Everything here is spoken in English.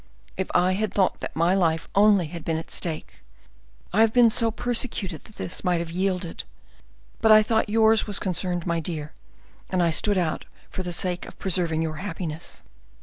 "If I had thought that my life only had been at stake, I have been so persecuted that I might have yielded; but I thought yours was concerned, my dear sire, and I stood out for the sake of preserving your happiness."